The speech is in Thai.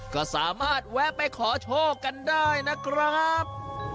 ก็สามารถแวะไปขอโชคกันได้นะครับ